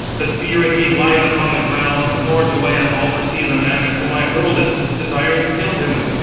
The spear indeed lies upon the ground, nor do I at all perceive the man at whom I hurled it, desiring to kill him.